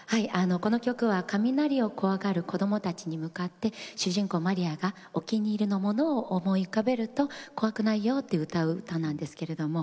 この曲は雷を怖がる子どもたちに向かって主人公マリアがお気に入りのものを思い浮かべると怖くないよと歌う歌なんですけれども。